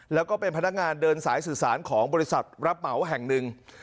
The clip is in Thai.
แล้วก็เป็นพนักงานเดินสายสื่อสารของบริษัทรับเหมาแห่งหนึ่ง